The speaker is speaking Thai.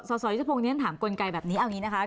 สอสอยุทธพงศ์เนี่ยถ้าถามกลไกแบบนี้เอาอย่างนี้นะคะ